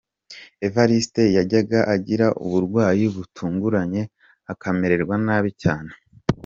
Evariste Yajyaga agira uburwayi butunguranye, akamererwa nabi cyane.